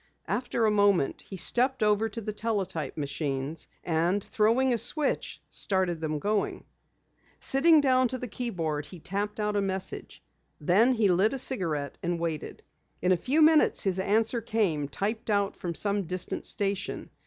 After a moment he stepped over to the teletype machines, and throwing a switch, started them going. Sitting down to the keyboard he tapped out a message. Then he lit a cigarette and waited. In a few minutes his answer came, typed out from some distant station.